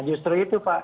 justru itu pak